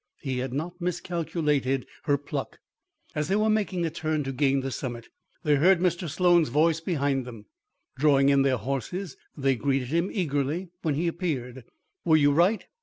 He had not miscalculated her pluck. As they were making a turn to gain the summit, they heard Mr. Sloan's voice behind them. Drawing in their horses, they greeted him eagerly when he appeared. "Were you right?